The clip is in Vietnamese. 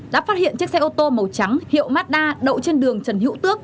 đã phát hiện chiếc xe ô tô màu trắng hiệu mazda đậu trên đường trần hữu tước